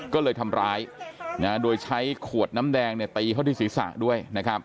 ก็เลยทำร้ายโดยใช้ขวดน้ำแดงตีเข้าที่ศีรษะด้วย